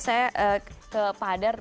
saya ke padar